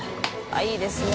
△いいですね。